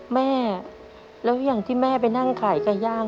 แม่แล้วอย่างที่แม่ไปนั่งขายไก่ย่าง